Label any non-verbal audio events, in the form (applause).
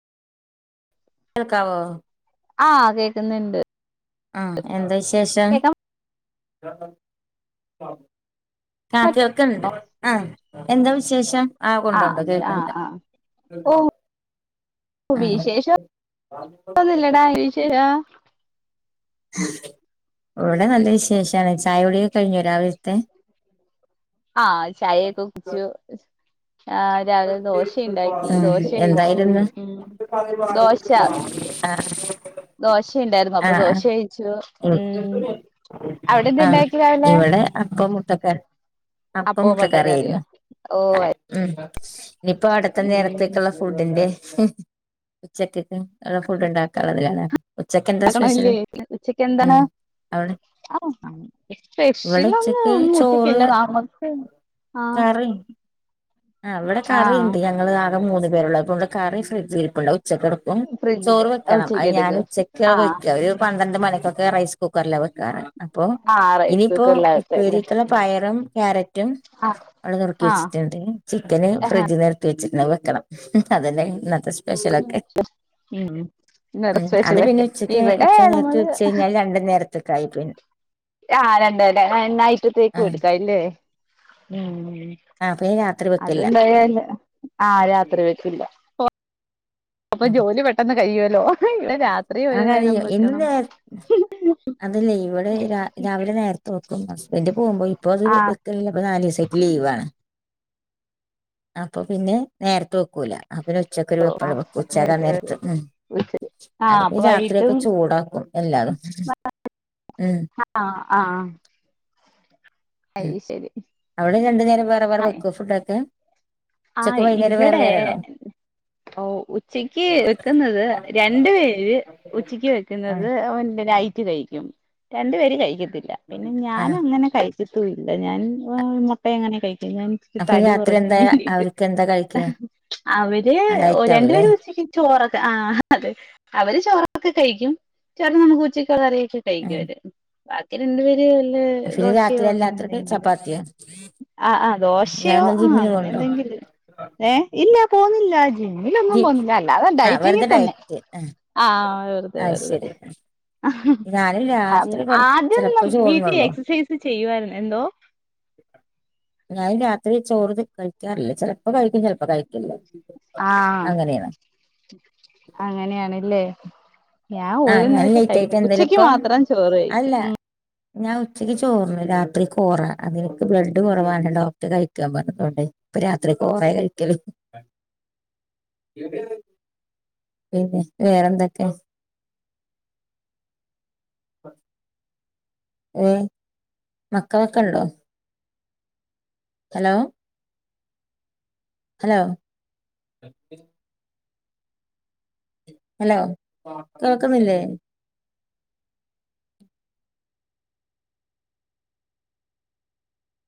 കേൾക്കാവോ ആ കേക്കുന്നുണ്ട് ആ എന്താ വിശേ ഷം കേക്കാൻ (unintelligible) ആ പ കേൾക്കുന്നുണ്ട് ആഹ് എന്താ വിശേഷം ആഹ് കൊണ്ടുണ്ട് ശ കേൾക്കണ്ട് ആഹ് ഓ ആഹ് വിശേഷൊ ന്നില്ലടാ വിശേ ആഹ് ഇവിടെ നല്ല വിശേഷാണ് ചായകുടിയൊക്കെ കഴിഞ്ഞോ രാവിലത്തെ ആഹ് ചായ ഒക്കെ കുടിച്ചു ആഹ് രാവിലെ ദോശയുണ്ടാക്കി ആഹ് ദോശ കഴിച്ചു എന്തായിരുന്നു ഉം ദോശ ആഹ് ദോശണ്ടായിരുന്നു അപ്പൊ ആഹ് ദോശ കഴിച്ചു ആഹ് ഉം അവിടെ എന്ത് ഇണ്ടാക്കി രാവിലെ ട്ടക്കറി അപ്പം അപ്പോ മുട്ട മുട്ടക്കറിയോ കറിയായിരുന്നു ഓ ആഹ് ഉം ഇനിയിപ്പോ അടുത്ത ഉം നേരത്തേക്കുള്ള ഫുഡിന്റെ ക്ഷെ ഉച്ചക്കേക്ക് ഉള്ള ഫുഡ് ഉണ്ടാക്കാനുള്ളതല്ലേ ആണല്ലേ ഉച്ചക്ക് എന്താണ് ഉം അവിടെ ഇവിടെ സ്പെഷ്യൽ ഒന്നും ഉച്ചക്ക് ഒന്നും ചോറ് ഉച്ചക്കില്ല നമക്ക് ആഹ് ആഹ് അവ്ടെ ആഹ് കറിണ്ട് ഞങ്ങള് നാ മൂന്ന് പേരുള്ളൂ അപ്പോ ഇവിടെ കറി ഫ്രിഡ്ജിൽ ഇരിപ്പുണ്ടാവും ഉച്ചക്കെടുക്കും ചോറ് ഫ്രിഡ്ജില് വെക്കണം അത് ഉച്ചക്ക് ഞാന് എടുക്കും ഉച്ചക്കാണ് ആഹ് വെക്ക ഒരു പന്ത്രണ്ട് മണിക്കൊക്കെ റൈസ് കുക്കറില വെക്കാറ് അപ്പോ ആഹ് റൈസ് ഇനിയിപ്പോ കുക്കറിലാകത്തല്ലേ ഉപ്പേരിക്കുള്ള പയറും ക്യാരറ്റും ആഹ് അവിടെ നുറുക്കി ആഹ് വെച്ചിട്ടുണ്ട് ചിക്കന് ആഹ് ഫ്രിഡ്ജിനാത്ത് ചിന്ന് വെക്കണം അതന്നെ ഇന്നത്തെ സ്പെ ഉം അത് പിന്നെ (unintelligible) ഉച്ചക്ക് ഇവിടെ ഉച്ച നേരത്ത് നമ്മള് വെച്ച് കഴിഞ്ഞാൽ രണ്ട് നേരത്തേക്കായി പിന്നെ ആ ഞാനണ്ട്ല്ലേ ആ രണ്ടായ്ചത്തേക്കും എടുക്കാല്ലേ ഉം ആ പിന്നെ രാത്രി അത്‌ വെക്കില്ല എന്തായാല് ആഹ് രാത്രി വക്കില്ല അപ്പൊ ഉം ജോലി പെട്ടെന്ന് കഴിയൂല്ലോ ആ കഴിയും ഇന്നു നേ അതല്ലേ ഇവിടെ രാ രാവിലെ നേരത്തെ വെക്കും ഹസ്ബൻഡ് പോകുമ്പോ ഇപ്പൊ അത് ആഹ് വെക്കലില്ല ഇപ്പൊ നാല് ദിവസായിട്ട് ലീവാണ് അപ്പൊ പിന്നെ നേരത്തെ വെക്കൂല അന്നരം ഉച്ചകൊരു വെപ്പുള്ളു ഉച്ചാകാൻ നേരത്തെ നേരത്ത് ഉമ് വിളിച്ചത് ആഹ് അതിപ്പ അപ്പൊ രാത്രി ഒക്കെ വൈകിട്ടും ചൂടാക്കും എല്ലാവർക്കും മ് ആഹ് ആഹ് അയ് ശരി അവിടെ രണ്ട് നേരം വേറെ വേറെ വെക്കും ഫുഡ് കെ ആ ഇവിടെ വേറെയാണോ ഉച്ചയ്ക്ക് വെക്കുന്നത് രണ്ടു പേര് ഉച്ചയ്ക്ക് ആഹ് വെക്കുന്നത് കഴിക്കും രണ്ട് പേര് കയിക്കും പിന്നെ ഞാൻ ആഹ് അങ്ങനെ കഴിച്ച കത്തും ഇല്ല ഞാൻ മുട്ട എങ്ങനെ കഴിക്കും ഞാൻ അപ്പൊ ഈ തടി രാത്രി കുറയ്ക്കാൻ എന്താ വേണ്ടി അവർക്ക് എന്താ കഴിക്കുക അവര് ആ ഡയറ്റ് ആവൂലേ രണ്ടുപേര് ഉച്ചക്ക്‌ ചോറൊക്കെ ആ അതെ അവര് ചോറൊക്കെ കഴിക്കും ചേറുത് നമുക്ക് ഉച്ചക്ക് ഉള്ള കറി കഴിക്കും ആഹ് അവര് ബാക്കി രണ്ട് പേര് ഇല്ല പിന്നെ ദോശയോ രാത്രി അങ്ങനെ എല്ലാത്തർക്ക് എന്തെങ്കിലും ചപ്പാത്തിയോ ആ ആ ദോശയോ ഇയാളെന്താ ആ ജിമ്മിന് അങ്ങനെ പോണുണ്ടോ എന്തെങ്കിലും ഏ ഇല്ല പോന്നില്ല ജി ജിമ്മിലൊന്നുംപോകുന്നില്ല അല്ലാതെ ആഹ് ഡയറ്റിങ്ങിൽ വെറുതെ തന്നെ ഡയറ്റ് ആഹ് ആ വെറുതെ അത് വെറുതെ ശരി ഞാനും രാത്രി കൊറ ചിലപ്പോ ആദ്യമൊന്നും വീട്ടിൽ ചോറുണ്ണുള്ളൂ എക്സസൈസ് ചെയ്യുവായിരുന്നു എന്തോ ഞാൻ രാത്രി ചോറ് കഴിക്കാറില്ലേ ചിലപ്പോ കഴിക്കും ചിലപ്പോ കഴിക്കില്ല ആ അങ്ങനെയാണ് അങ്ങനെയാണല്ലേ ഞാൻ ആഹ് ഒരു ഞാൻ നേരം ലേറ്റ് ആയിട്ട് കഴിക്കും എന്തേലും ഉച്ചയ്ക്ക് ഇപ്പൊ മാത്രം ചോറ് കഴിക്കും അല്ല ഉ ഞാൻ ഉച്ചയ്ക്ക് ചോറുണ്ണും രാത്രി കോറ അതെനിക്ക് ബ്ലഡ്‌ കുറവാണ് ഡോക്ടർ കഴിക്കാൻ പറഞ്ഞട്ടുണ്ട് ഇപ്പൊ രാത്രി കോറേ കഴിക്കല് പിന്നെ വേറെന്തൊക്കെ മക്കളൊക്കെണ്ടോ ഹലോ ഹലോ ഹലോ കേൾക്കുന്നില്ലേ